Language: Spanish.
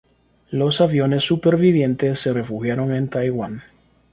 Los aviones supervivientes se refugiaron en Taiwán.